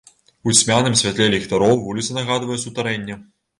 У цьмяным святле ліхтароў вуліца нагадвае сутарэнне.